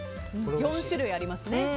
４種類ありますね。